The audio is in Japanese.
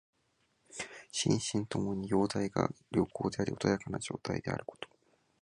心身ともに様態が良好であり穏やかな状態であること。